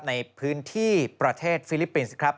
ในพื้นที่ประเทศฟิลิปปินส์ครับ